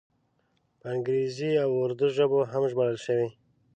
په انګریزي او اردو ژبو هم ژباړل شوی.